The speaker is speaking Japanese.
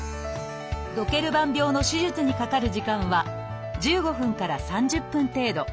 ドケルバン病の手術にかかる時間は１５分から３０分程度。